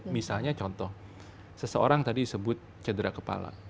misalnya contoh seseorang tadi sebut cedera kepala